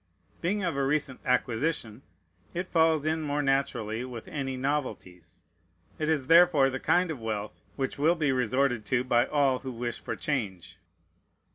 Being of a recent acquisition, it falls in more naturally with any novelties. It is therefore the kind of wealth which will be resorted to by all who wish for change.